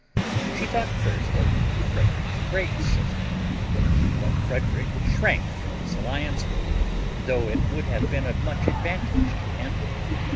She thought first of Frederick the Great's sister; but Frederick shrank from this alliance, though it would have been of much advantage to him.